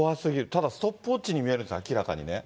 ただ、ストップウォッチに見えるんです、明らかにね。